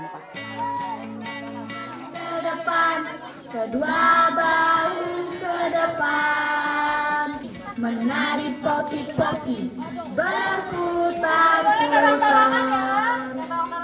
kedepan kedua balus kedepan menari popi popi berputar putar